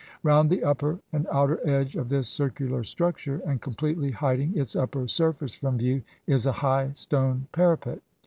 Round the upper and outer edge of this circular structure, and completely hiding its upper surface from view, is a high stone para pet.